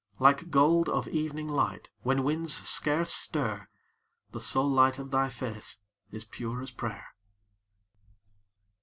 Like gold Of evening light, when winds scarce stir, The soul light of thy face is pure as prayer.